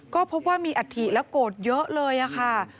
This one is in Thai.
ก็พบว่ามีอัฐิและโกรธเยอะเลยค่ะ